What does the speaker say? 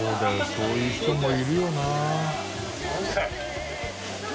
そういう人もいるよな。